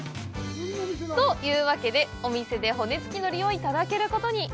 というわけでお店で骨付鳥をいただけることに。